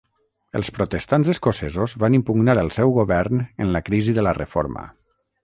Els protestants escocesos van impugnar el seu govern en la crisi de la reforma.